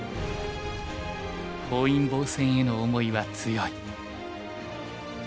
本因坊戦への思いは強い。